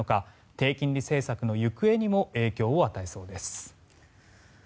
低金利政策の行方にも影響を与えそうです。